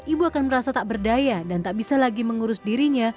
ibu akan merasa tak berdaya dan tak bisa lagi mengurus dirinya